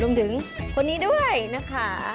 รวมถึงคนนี้ด้วยนะคะ